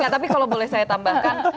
tapi kalau boleh saya tambahkan